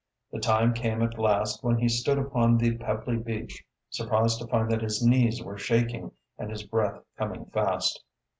The time came at last when he stood upon the pebbly beach, surprised to find that his knees were shaking and his breath coming fast.